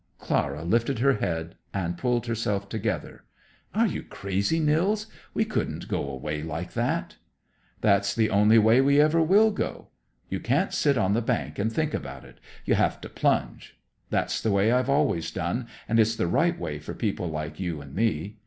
Clara lifted her head and pulled herself together. "Are you crazy, Nils? We couldn't go away like that." "That's the only way we ever will go. You can't sit on the bank and think about it. You have to plunge. That's the way I've always done, and it's the right way for people like you and me.